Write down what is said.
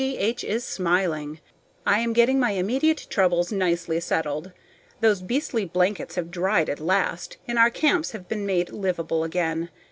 G. H. is smiling. I am getting my immediate troubles nicely settled. Those beastly blankets have dried at last, and our camps have been made livable again.